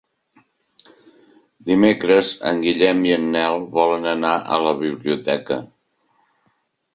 Dimecres en Guillem i en Nel volen anar a la biblioteca.